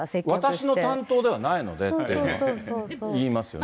私の担当ではないのでとか言いますよね。